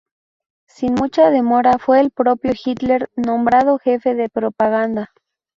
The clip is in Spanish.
Sin mucha demora fue el propio Hitler nombrado jefe de propaganda.